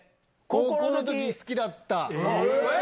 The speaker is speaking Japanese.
高校のとき、好きだった。